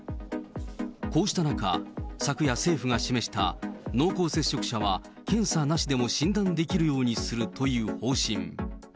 こうした中、昨夜、政府が示した濃厚接触者は検査なしでも診断できるようにするという方針。